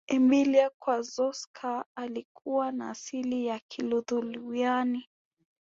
emilia kaczorowska alikuwa na asili ya kiluthiwania